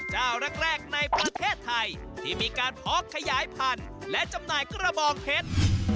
เจ้าแรกในประเทศไทยที่มีการเพาะขยายพันธุ์และจำหน่ายกระบองเพชร